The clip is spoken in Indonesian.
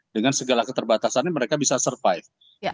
dengan segala keterbatasannya mereka bisa survive